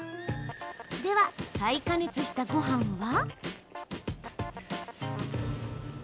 では、再加熱したごはんは？